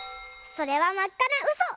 それはまっかなうそ！